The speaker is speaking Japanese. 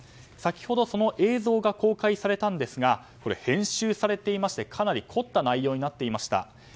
先ほど、その映像が公開されたんですが編集されていましてかなり凝った内容になっていました。